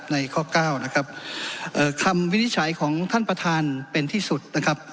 ข้อเก้านะครับเอ่อคำวินิจฉัยของท่านประธานเป็นที่สุดนะครับ